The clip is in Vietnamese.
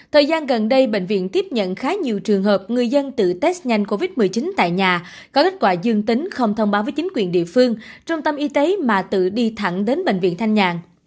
thời gian gần đây bệnh viện tiếp nhận khá nhiều trường hợp người dân tự test nhanh covid một mươi chín tại nhà có kết quả dương tính không thông báo với chính quyền địa phương trung tâm y tế mà tự đi thẳng đến bệnh viện thanh nhàn